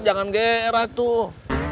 jangan gerak tuh